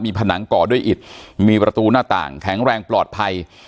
ผนังก่อด้วยอิดมีประตูหน้าต่างแข็งแรงปลอดภัย